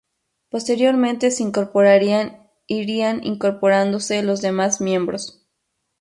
Posteriormente se incorporarían irían incorporándose los demás miembros.